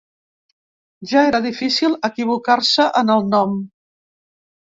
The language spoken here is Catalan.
Ja era difícil equivocar-se en el nom.